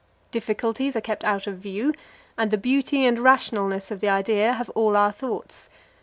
Difficulties are kept out of view, and the beauty and rationalness of the ideal have all our thoughts.